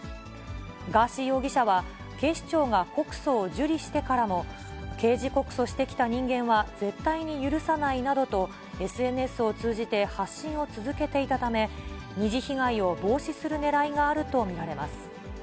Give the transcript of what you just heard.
ガーシー容疑者は、警視庁が告訴を受理してからも、刑事告訴してきた人間は絶対に許さないなどと、ＳＮＳを通じて発信を続けていたため、二次被害を防止するねらいがあると見られます。